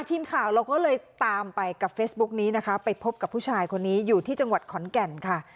ทีมข่าวเราก็เลยตามไปกับเฟซบุ๊กนี้นะคะไปพบกับผู้ชายคนนี้อยู่ที่จังหวัดขอนแก่นค่ะ